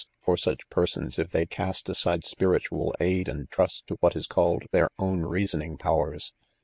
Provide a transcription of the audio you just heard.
for such persons, if they cast aside spiritual aid and trust to what is called "their own reasoning pow ers 3